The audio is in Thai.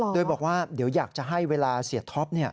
โดยบอกว่าเดี๋ยวอยากจะให้เวลาเสียท็อป